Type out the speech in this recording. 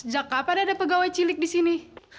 sejak kapan ada pegawai cilik disini